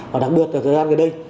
và đặc biệt là thời gian gần đây